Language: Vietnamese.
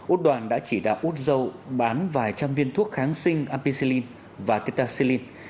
úc đoàn đã chỉ đạo úc râu bán vài trăm viên thuốc kháng sinh ampicillin và tetraxilin